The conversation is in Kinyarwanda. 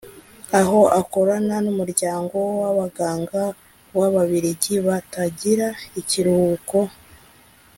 aho akorana n’umuryango w’abaganga w’Ababiligi batagira ikiruhuko (Medecins sans Vacances)